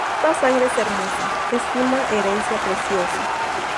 Esta sangre es hermosa, es una herencia preciosa".